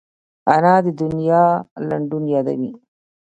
انا د دنیا لنډون یادوي